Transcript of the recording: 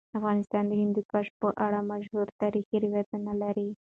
افغانستان د هندوکش په اړه مشهور تاریخی روایتونه لري.